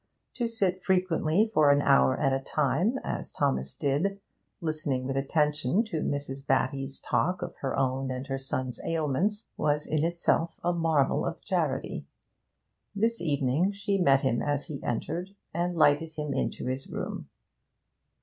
To sit frequently for an hour at a time, as Thomas did, listening with attention to Mrs. Batty's talk of her own and her son's ailments, was in itself a marvel of charity. This evening she met him as he entered, and lighted him into his room.